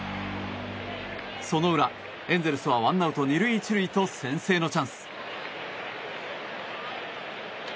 その裏、エンゼルスはワンアウト２塁１塁と先制のチャンス。